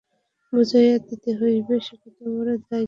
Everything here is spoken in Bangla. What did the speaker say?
বুঝাইয়া দিতে হইবে সে কতবড় দায়িত্বজ্ঞানহীন রাস্কেল।